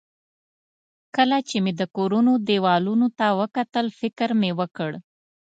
کله چې مې د کورونو دېوالونو ته وکتل، فکر مې وکړ.